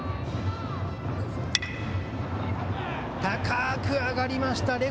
高く上がりました。